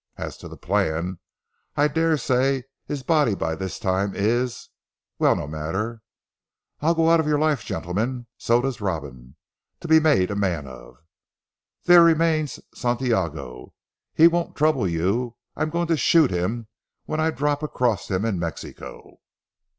As to the plan, I daresay his body by this time is well no matter. I go out of your life gentlemen, so does Robin to be made a man of. There remains Santiago. He won't trouble you. I'm going to shoot him when I drop across him in Mexico."